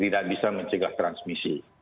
tidak bisa mencegah transmisi